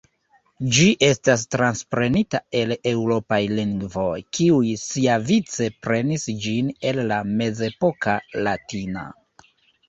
Ĝi estas transprenita el eŭropaj lingvoj, kiuj siavice prenis ĝin el la mezepoka latina.